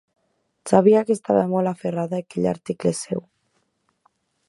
Sabia que estava molt aferrada a aquell article seu.